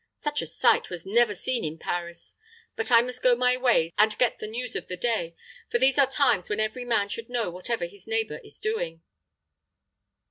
Such a sight was never seen in Paris. But I must go my ways, and get the news of the day, for these are times when every man should know whatever his neighbor is doing."